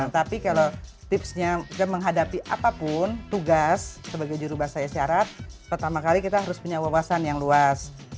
tapi kalau tipsnya kita menghadapi apapun tugas sebagai jurubahasa yasyarat pertama kali kita harus punya wawasan yang luas